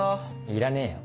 いらねえよ。